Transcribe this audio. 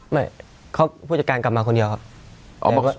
ไม่เขาผู้จัดการกลับมาคนเดียวครับ